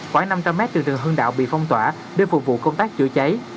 khoảng năm trăm linh mét từ đường hưng đạo bị phong tỏa để phục vụ công tác chữa cháy